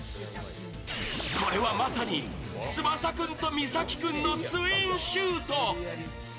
これはまさに、翼君と岬君のツインシュート。